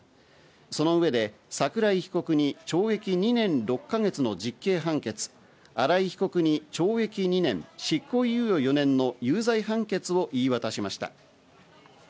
その上で桜井被告に懲役２年６か月の実刑判決、新井被告に懲役２年、執行猶予４年の有罪判決を言い渡しました。